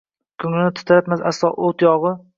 Ko’nglimni titratmas aslo yot yig’i